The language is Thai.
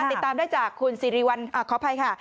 ติดตามได้จากคุณสิริวัลขออภัยค่ะ